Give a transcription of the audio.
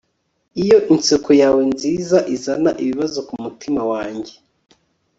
iyo inseko yawe nziza izana ibibazo kumutima wanjye